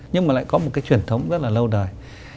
nhưng mà lại có một cái truyền thống rất là lâu đời